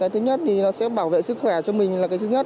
thứ nhất thì nó sẽ bảo vệ sức khỏe cho mình là cái thứ nhất